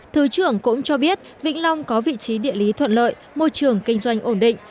thứ trưởng cũng cho biết vĩnh long có vị trí địa lý thuận lợi môi trường kinh doanh ổn định